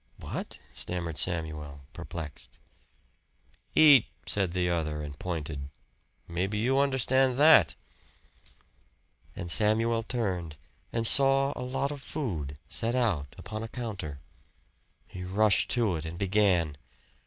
"What?" stammered Samuel, perplexed. "EAT!" said the other, and pointed. "Maybe you understand that." And Samuel turned and saw a lot of food set out upon a counter. He rushed to it and began.